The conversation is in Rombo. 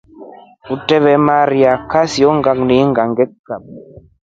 Utamerunda kasiyo ngakuninga ngekukaba.